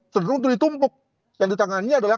terutama ditumpuk yang ditangani adalah